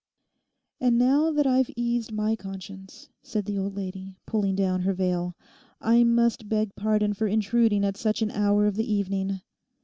'And now that I've eased my conscience,' said the old lady, pulling down her veil, 'I must beg pardon for intruding at such an hour of the evening.